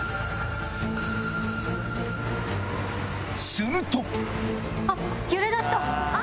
すると！